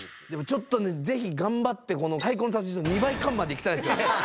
ちょっとねぜひ頑張ってこの太鼓の達人と二枚看板でいきたいんですよ